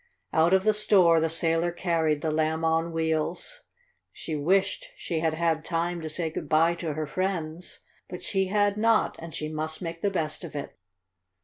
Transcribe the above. Out of the store the sailor carried the Lamb on Wheels. She wished she had had time to say good bye to her friends, but she had not, and she must make the best of it.